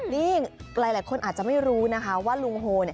นี่หลายคนอาจจะไม่รู้นะคะว่าลุงโฮเนี่ย